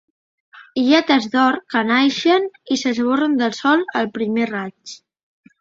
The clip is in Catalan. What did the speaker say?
Illetes d’or que naixen i s’esborren del sol al primer raig.